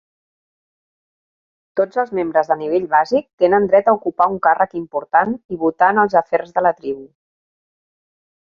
Tots els membres de nivell bàsic tenen dret a ocupar un càrrec important i votar en els afers de la tribu.